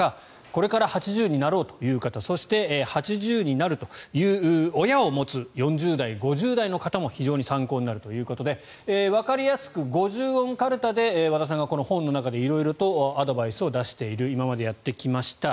これから８０になろうという方そして、８０になるという親を持つ４０代、５０代の方も非常に参考になるということでわかりやすく５０音かるたで和田さんがこの本の中で色々とアドバイスを出している今までやってきました。